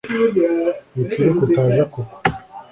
Wikwiruka utaza kugwa